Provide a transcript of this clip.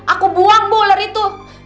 aku buang bu ular itu